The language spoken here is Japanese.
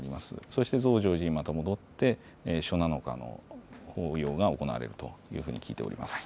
そして増上寺にまた戻って初七日の法要が行われるというふうに聞いております。